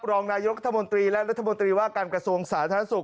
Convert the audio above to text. รองนายกรัฐมนตรีและรัฐมนตรีว่าการกระทรวงสาธารณสุข